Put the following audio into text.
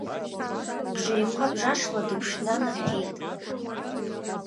Бжеиқәа-бжашла дыԥшӡан рҳәеит.